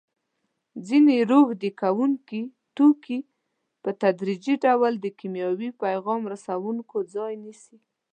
ځینې روږدې کوونکي توکي په تدریجي ډول د کیمیاوي پیغام رسوونکو ځای نیسي.